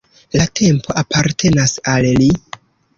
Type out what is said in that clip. La tempo apartenas al li.